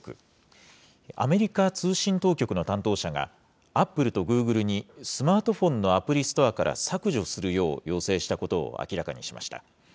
アメリカ通信当局の担当者が、アップルとグーグルに、スマートフォンのアプリストアから削除するよう要請したことを明らかにしました。